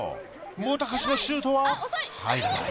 本橋のシュートは入らない。